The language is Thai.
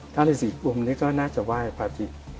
ถ้าฤษีกุมนี่ก็น่าจะไหว้พระอาทิตย์